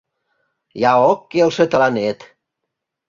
Я ок келше тыланет